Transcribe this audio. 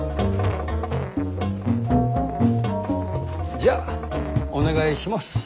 じゃあお願いします。